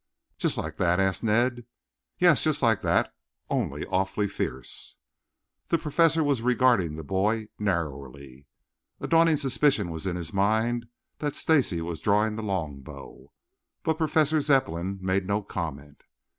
"Just like that?" asked Ned. "Yes, just like that, only awfully fierce!" The Professor was regarding the boy narrowly. A dawning suspicion was in his mind that Stacy was drawing the longbow. But Professor Zepplin made no comment.